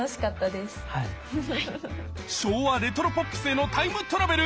昭和レトロポップスへのタイムトラベル